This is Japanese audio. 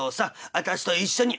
私と一緒に」。